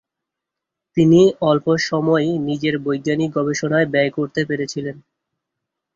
তিনি অল্পসময়ই নিজের বৈজ্ঞানিক গবেষণায় ব্যয় করতে পেরেছিলেন।